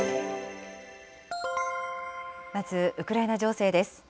まずウクライナ情勢です。